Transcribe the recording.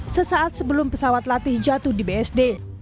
sesaat sebelum pesawat latih jatuh di bsd